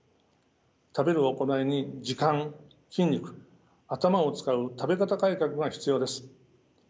食べる行いに時間筋肉頭を使う食べ方改革が必要です。